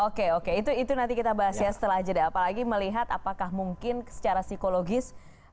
oke oke itu nanti kita bahas ya setelah jeda apalagi melihat apakah mungkin secara psikologis